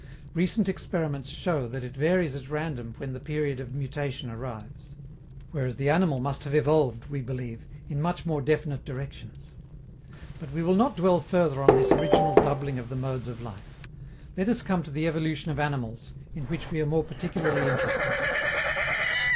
Recent experiments show that it varies at random when the period of "mutation" arrives; whereas the animal must have evolved, we believe, in much more definite directions. But we will not dwell further on this original doubling of the modes of life. Let us come to the evolution of animals, in which we are more particularly interested.